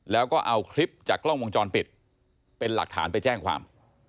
แล้วก็เอาคลิปจากกล้องวงจรปิดเป็นหลักฐานไปแจ้งความ